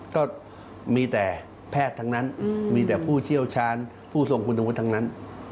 ก็มีแต่แพทย์ทั้งนั้นมีแต่ผู้เชี่ยวชาญผู้ทรงคุณวุฒิทั้งนั้น